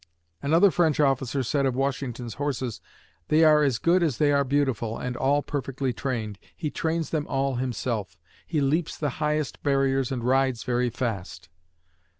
Another French officer said of Washington's horses, "They are as good as they are beautiful, and all perfectly trained. He trains them all himself. He leaps the highest barriers and rides very fast."